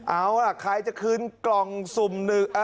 เอาล่ะใครจะคืนกล่องสุ่มหนึ่ง